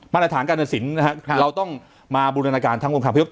มาตรฐานการทศิลป์นะฮะเราต้องมาบูรณาการทั้งวงคัมพยก